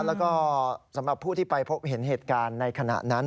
แล้วก็สำหรับผู้ที่ไปพบเห็นเหตุการณ์ในขณะนั้น